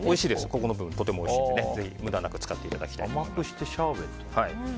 ここの部分とてもおいしいので無駄なく使っていただきたいと思います。